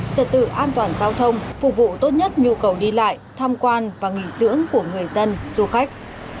trật tự an toàn giao thông phục vụ tốt nhất nhu cầu đi lại tham quan và nghỉ dưỡng của người dân du khách